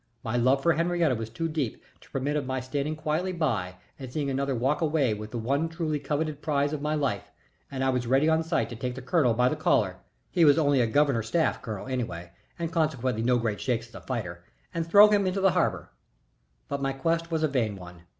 My love for Henriette was too deep to permit of my sitting quietly by and seeing another walk away with the one truly coveted prize of my life, and I was ready on sight to take the colonel by the collar he was only a governor's staff colonel anyhow, and, consequently no great shakes as a fighter and throw him into the harbor, but my quest was a vain one.